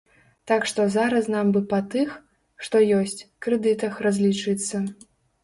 Так што зараз нам бы па тых, што ёсць, крэдытах разлічыцца.